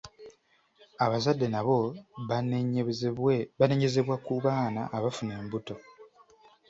Abazadde nabo banenyezebwa ku baana abafuna embuto.